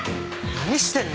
何してんだ？